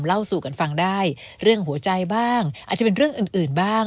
เล่าสู่กันฟังได้เรื่องหัวใจบ้างอาจจะเป็นเรื่องอื่นบ้าง